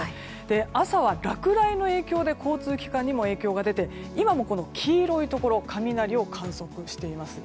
朝は落雷の影響で交通機関にも影響が出て今も黄色いところで雷を観測しています。